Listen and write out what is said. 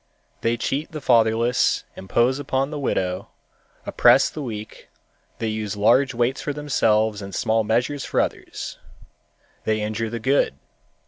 They cheat the fatherless, impose upon the widow, oppress the weak; they use large weights for themselves and small measures for others. They injure the good.